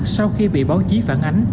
sau khi bị báo chí phản ánh